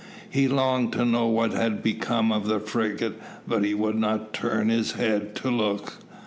He longed to know what had become of the frigate, but he would not turn his head to look.